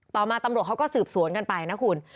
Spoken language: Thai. ต่อมาตำรวจเขาก็สืบสวนกันไปนะคุณ